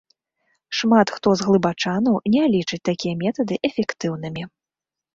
Шмат хто з глыбачанаў не лічаць такія метады эфектыўнымі.